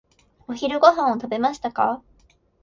お昼ご飯を食べましたか？